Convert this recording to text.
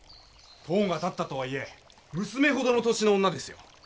とうが立ったとはいえ娘ほどの年の女ですよ！